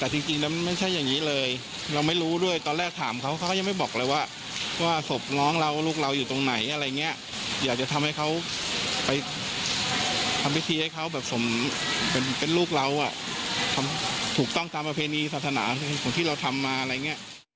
ส่วนวันจันทร์ที่๑๒ตุลาคมที่จะถึง